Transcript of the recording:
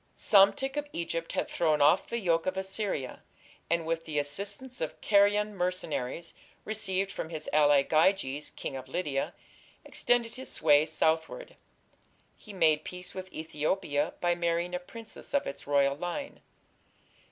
Psamtik of Egypt had thrown off the yoke of Assyria, and with the assistance of Carian mercenaries received from his ally, Gyges, king of Lydia, extended his sway southward. He made peace with Ethiopia by marrying a princess of its royal line.